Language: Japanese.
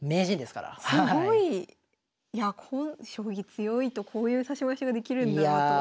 すごい。いやこ将棋強いとこういう指し回しができるんだなと。